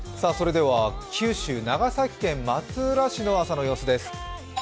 九州・長崎県松浦市の朝の様子です。